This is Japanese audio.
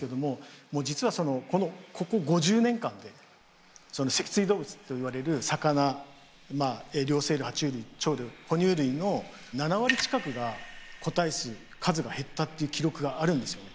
実はここ５０年間で脊椎動物といわれる魚まあ両生類は虫類鳥類哺乳類の７割近くが個体数数が減ったっていう記録があるんですよね。